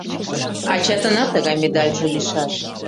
— Ачатынат тыгай медальже лийшаш.